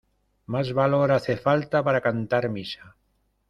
¡ más valor hace falta para cantar misa!